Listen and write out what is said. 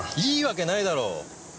いいわけないだろ！